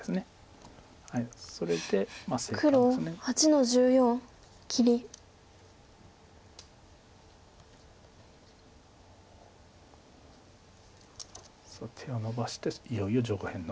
さあ手をのばしていよいよ上辺の。